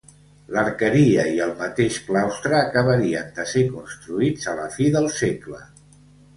L'arqueria i el mateix claustre acabarien de ser construïts a la fi del segle.